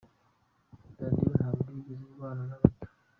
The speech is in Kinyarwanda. "Radio ntabwo yigeze arwana na gato.